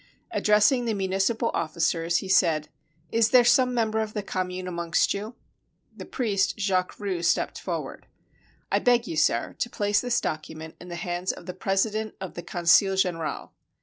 Addressing the municipal officers, he said: "Is there some member of the Commune amongst you?" The priest Jacques Roux stepped forward. "I beg you, sir, to place this document in the hands of the President of the Conseil General."